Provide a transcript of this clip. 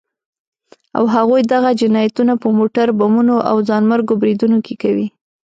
او هغوی دغه جنايتونه په موټر بمونو او ځانمرګو بريدونو کې کوي.